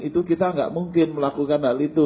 itu kita nggak mungkin melakukan hal itu